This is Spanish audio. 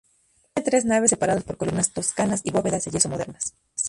Tiene tres naves separadas por columnas toscanas y bóvedas de yeso modernas.